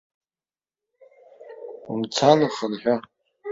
Умцан, ухынҳәы!